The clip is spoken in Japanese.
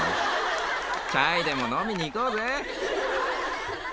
チャイでも飲みに行こうぜ。